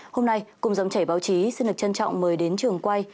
hôm nay cùng dòng chảy báo chí xin được trân trọng mời đến trường quay